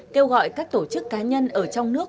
kêu gọi các tổ chức cá nhân ở trong nước